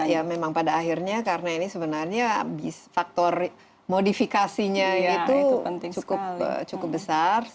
ya memang pada akhirnya karena ini sebenarnya faktor modifikasinya itu cukup besar